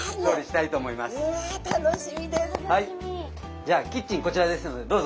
じゃあキッチンこちらですのでどうぞ。